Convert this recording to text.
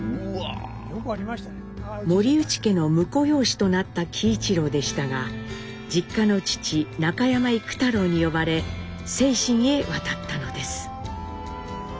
森内家の婿養子となった喜一郎でしたが実家の父中山幾太郎に呼ばれ清津へ渡ったのです。